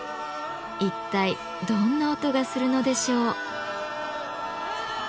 一体どんな音がするのでしょう？